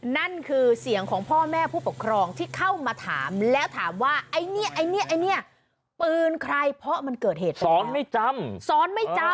นั่นคือเสียงของพ่อแม่ผู้ปกครองที่เข้ามาถามแล้วถามว่าไอ้เนี่ยไอ้เนี่ยไอ้เนี่ยปืนใครเพราะมันเกิดเหตุสอนไม่จำสอนไม่จำ